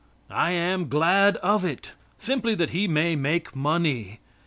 I am glad of it. Simply that he may make money.